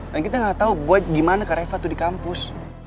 dan kita ga tau boy gimana ke reva tuh di kampus